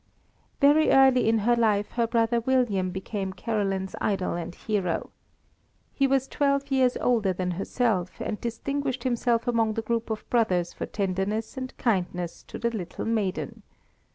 _" Very early in her life her brother William became Caroline's idol and hero. He was twelve years older than herself, and distinguished himself among the group of brothers for tenderness and kindness to the little maiden.